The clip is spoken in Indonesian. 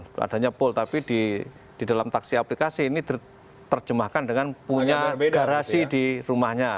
itu adanya pool tapi di dalam taksi aplikasi ini terjemahkan dengan punya garasi di rumahnya